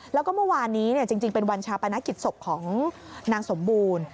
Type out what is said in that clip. แล้วก็เมื่อวานนี้จริงเป็นวันชาปนกิจศพของนางสมบูรณ์